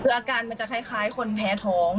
คืออาการมันจะคล้ายคนแพ้ท้อง